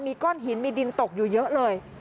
มีก้อนหินมีดินตกอยู่เยอะเลย